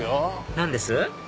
何です？